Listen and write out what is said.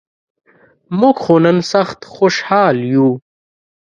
مونږ خو نن سخت خوشال یوو.